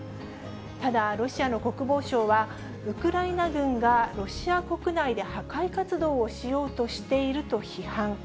ただ、ロシアの国防省は、ウクライナ軍がロシア国内で破壊活動をしようとしていると批判。